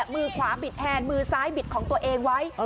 มือขวาบิดแทนมือซ้ายบิดของตัวเองไว้